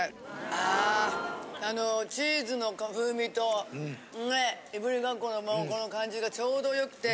あああのチーズの風味といぶりがっこのもうこの感じが丁度よくて。